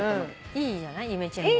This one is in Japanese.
いいじゃないイメチェンも。